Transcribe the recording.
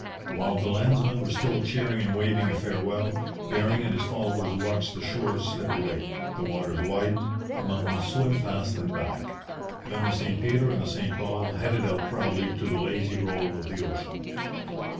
While the landsmen were still cheering and waving a farewell, Bering and his followers watched the shores slip away, the waters widen, the mountains swim past and back. Then the St Peter and the St Paul headed out proudly to the lazy roll of the ocean.